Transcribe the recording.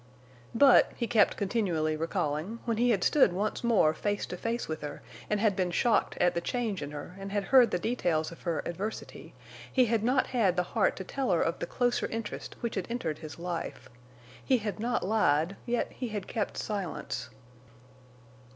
But, he kept continually recalling, when he had stood once more face to face with her and had been shocked at the change in her and had heard the details of her adversity, he had not had the heart to tell her of the closer interest which had entered his life. He had not lied; yet he had kept silence.